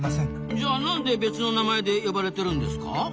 じゃあなんで別の名前で呼ばれてるんですか？